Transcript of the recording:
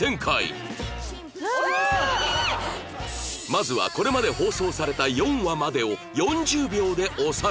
まずはこれまで放送された４話までを４０秒でおさらい